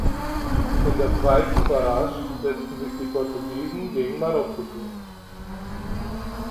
In der zweiten Barrage setzten sich die Portugiesen gegen Marokko durch.